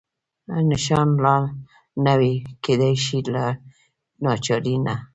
نښان لا نه وي، کېدای شي له ناچارۍ نه.